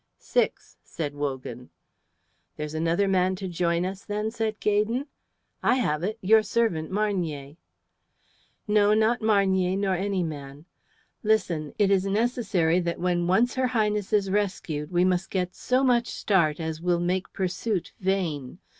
"Six," said Wogan. "There's another man to join us, then," said Gaydon. "I have it. Your servant, Marnier." "No, not Marnier, nor any man. Listen. It is necessary that when once her Highness is rescued we must get so much start as will make pursuit vain.